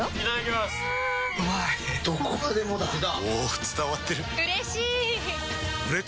どこまでもだあ！